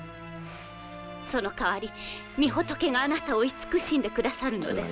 その代わり御仏があなたを慈しんでくださるのです。